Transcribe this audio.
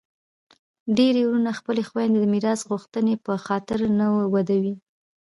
ډیری وروڼه خپلي خویندي د میراث غوښتني په خاطر نه ودوي.